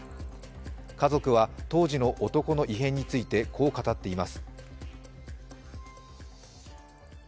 家族は当時の男の異変についてこう語っています。